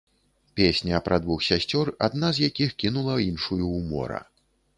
Песня пра двух сясцёр, адна з якіх кінула іншую ў мора.